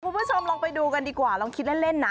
คุณผู้ชมลองไปดูกันดีกว่าลองคิดเล่นนะ